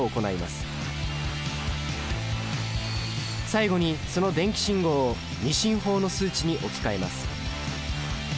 最後にその電気信号を２進法の数値に置き換えます。